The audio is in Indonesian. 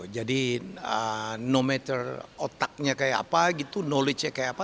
jadi no matter otaknya kayak apa gitu knowledge nya kayak apa